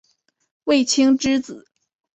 卫青之子。